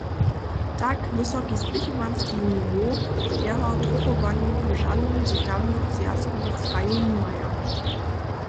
Tak wysoki spěchowanski niwow po jeho trochowanju w žanym z tamnych zwjazkowych krajow nimaja.